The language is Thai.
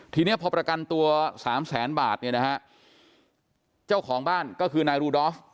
ทีนี้พอประกันตัวสามแสนบาทเนี่ยนะฮะเจ้าของบ้านก็คือนายรูดอฟ